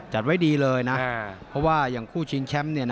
จัดไว้ดีเลยนะเพราะว่าอย่างคู่ชิงแชมป์